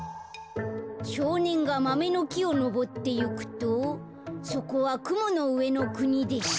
「しょうねんがマメのきをのぼっていくとそこはくものうえのくにでした」。